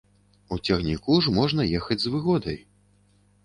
У цягніку ж можна ехаць з выгодай.